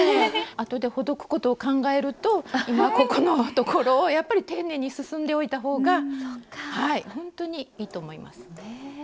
あとでほどくことを考えると今ここのところをやっぱり丁寧に進んでおいた方が本当にいいと思います。